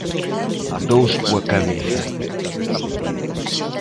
Dous coa cabeza.